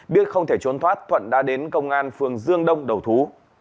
biết không thể trốn thoát thuận đã đến công an phường dương đông đầu thú